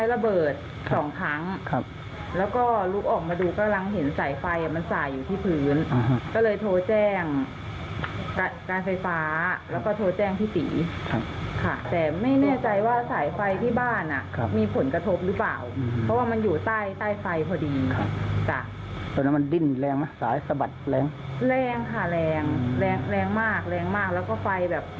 แรงมากแล้วก็ไฟเหมือนมีระเบิดอยู่ตลอดเวลาค่ะ